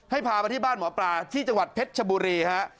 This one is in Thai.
ให้พาไปที่บ้านหมอปลาที่จังหวัดเพชรชบุรีครับ